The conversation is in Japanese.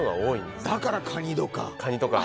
だからカニとか。